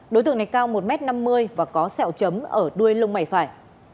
đối tượng này cao một m năm mươi và có sẹo chấm ở đuôi lông mày phải